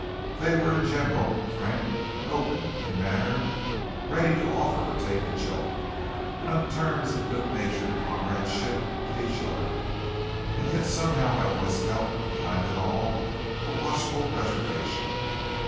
They were, in general, frank and open in manner, ready to offer or take a joke, and on terms of good natured comradeship with each other; and yet somehow I always felt behind it all a watchful reservation.